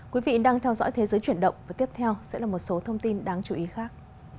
quý vị đang theo dõi thế giới chuyển động và tiếp theo sẽ là một số thông tin đáng chú ý khác